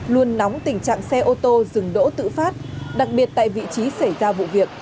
luôn nóng tình trạng xe ô tô dừng đỗ tự phát đặc biệt tại vị trí xảy ra vụ việc